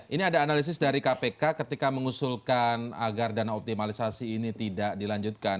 ini ada analisis dari kpk ketika mengusulkan agar dana optimalisasi ini tidak dilanjutkan